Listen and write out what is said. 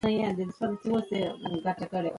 د افغانستان طبیعت له پامیر او ورته غرونو جوړ شوی دی.